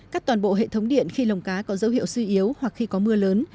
cắt toàn bộ hệ thống điện khi lồng cá có dấu hiệu suy yếu hoặc khi có mưa lớn